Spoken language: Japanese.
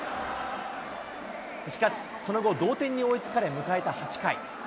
しかし、その後、同点に追いつかれ、迎えた８回。